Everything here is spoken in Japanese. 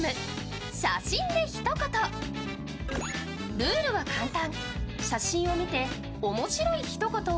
ルールは簡単。